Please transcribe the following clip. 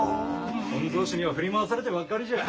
御曹司には振り回されてばっかりじゃ。